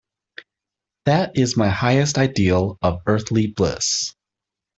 That is my highest ideal of earthly bliss.